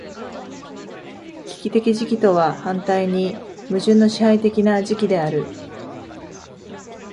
危機的時期とは反対に矛盾の支配的な時期である。